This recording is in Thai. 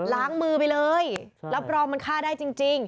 ล้างมือไปเลยรับรองมันฆ่าได้จริง